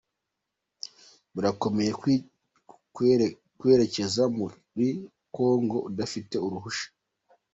birakomeye kwerecyeza muri kongo udafite uruhushya